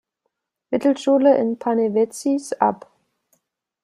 Mittelschule in Panevėžys ab.